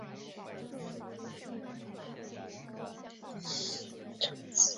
纯一郎作为旧福冈藩士的国学家同是也是诗歌家末永茂世的长子。